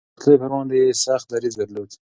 د بې عدالتۍ پر وړاندې يې سخت دريځ درلود.